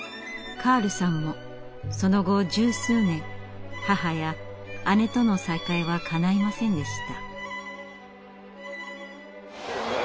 カールさんもその後十数年母や姉との再会はかないませんでした。